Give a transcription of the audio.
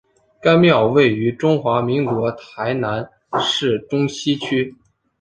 该庙位于中华民国台南市中西区。